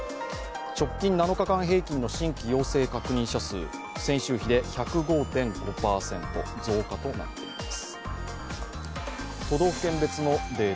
直近７日間平均の新規陽性確認者数先週比で１０５．５％、増加となっています。